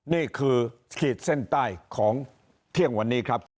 นี่คือขีดเส้นใต้ของเที่ยงวันนี้ครับ